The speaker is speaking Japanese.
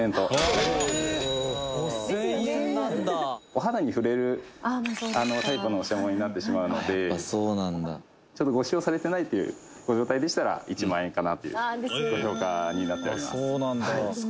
「お肌に触れるタイプのお品物になってしまうのでご使用されてないというご状態でしたら１万円かなというご評価になっております」